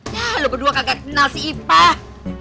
wah lo berdua kagak kenal si ipah